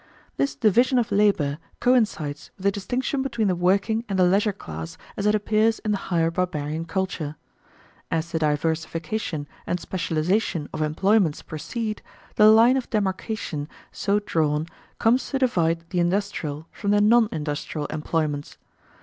This division of labour coincides with the distinction between the working and the leisure class as it appears in the higher barbarian culture. As the diversification and specialisation of employments proceed, the line of demarcation so drawn comes to divide the industrial from the non industrial employments.